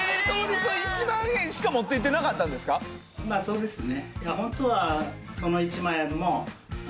まあそうですね。